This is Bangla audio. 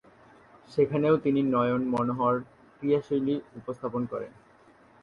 সেখানেও তিনি নয়ন মনোহর ক্রীড়াশৈলী উপস্থাপন করেন।